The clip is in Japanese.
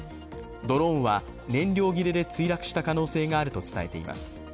ドローンは燃料切れで墜落した可能性があると伝えています。